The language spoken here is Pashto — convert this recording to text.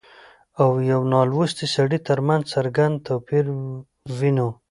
او يوه نالوستي سړي ترمنځ څرګند توپير وينو